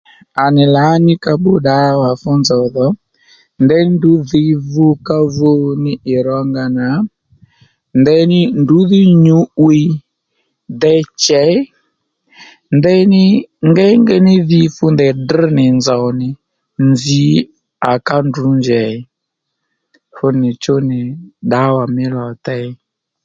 À nì lǎní ka bbú ddǎwà fú nzòw dho ndeyní ndrǔ dhǐ vukávu ní ì rónga nà ndeyní ndrǔ dhí nyǔ'wiy déy chěy ndeyní ngéyngéy ní dhi fu ndèy drŕ nì nzòw nì nzǐ à ká ndrǔ njèy fú nìchú nì ddǎwà mí lò-tey